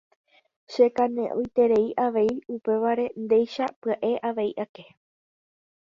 Chekaneʼõiterei avei upévare ndéicha pyaʼe avei ake.